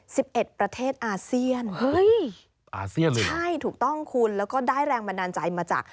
สิบเอ็ดประเทศอาเซียนเฮ้ยอาเซียนเลยใช่ถูกต้องคุณแล้วก็ได้แรงบันดาลใจมาจาก